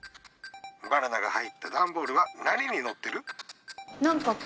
バナナが入った段ボールは何にのってる？